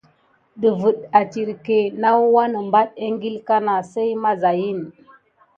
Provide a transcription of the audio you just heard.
Dəfət etirke naw wanebate eŋgil kana sey mazayin.